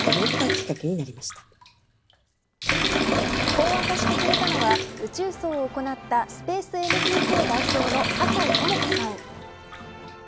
こう明かしてくれたのは宇宙葬を行ったＳＰＡＣＥＮＴＫ代表の葛西智子さん。